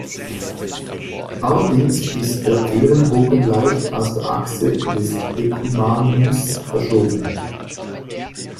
Allerdings ist der Ehrenbogen leicht aus der Achse des Decumanus verschoben.